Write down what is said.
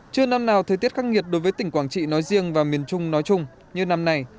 chưa năm nào thời tiết khắc nghiệt đối với tỉnh quảng trị nói riêng và miền trung nói chung như năm nay